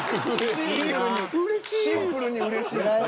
シンプルにうれしいですね。